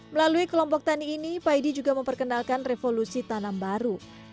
melalui kelompok tani ini paidi juga memperkenalkan revolusi tanam baru